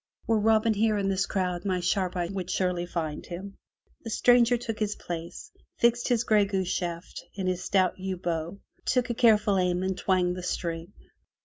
Were Robin here in this crowd my sharp eye would surely find him.*' The stranger took his place, fixed his gray goose shaft in his stout yew bow, took w mmi m m m careful aim and twanged the string.